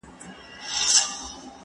زه به د سوالونو جواب ورکړی وي..